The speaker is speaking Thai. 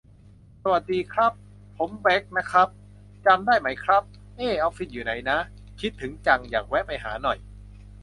สวัสดีครับ ผมแบ่คนะครับ จำได้มั๊ยครับ เอ๊ ออฟฟิศอยู่ไหนน้า คิดถึงจัง อยากแวะไปหาหน่อย